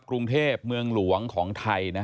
กรุงเทพเมืองหลวงของไทย